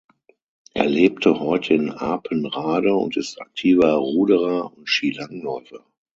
Er lebte heute in Apenrade und ist aktiver Ruderer und Skilangläufer.